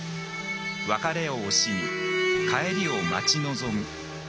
別れを惜しみ、帰りを待ち望む。